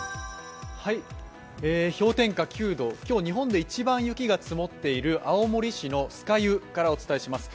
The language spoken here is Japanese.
氷点下９度、今日日本で一番雪が積もっている青森市の酸ヶ湯からお伝えします。